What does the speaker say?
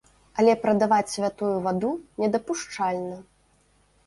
Але прадаваць святую ваду, недапушчальна.